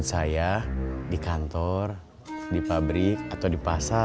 selamat pagi mas